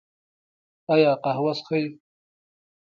ایا قهوه څښئ؟